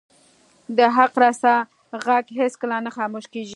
د حق رسا ږغ هیڅکله نه خاموش کیږي